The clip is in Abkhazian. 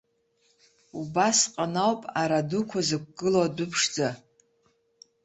Убасҟан ауп ара дуқәа зықәгылоу адәыԥшӡа.